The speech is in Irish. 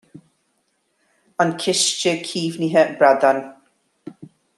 An Ciste Caomhnaithe Bradán.